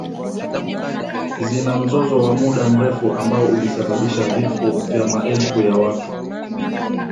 Zina mzozo wa muda mrefu ambao ulisababisha vifo vya maelfu ya watu